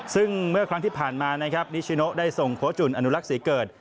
ซึ่งเมื่อครั้งที่ผ่านมานิชโชน์ได้ส่งโค้ชจุนอนุลักษณ์สีเกิด